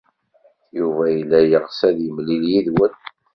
Yuba yella yeɣs ad yemlil yid-wen.